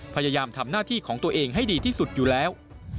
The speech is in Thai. พยายามทำหน้าที่ของตัวเองให้ดีที่สุดอยู่แล้ว